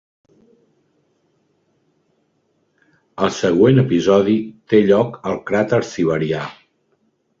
El següent episodi té lloc al cràter siberià.